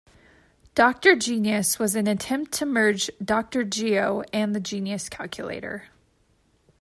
Doctor Genius was an attempt to merge Doctor Geo and the Genius calculator.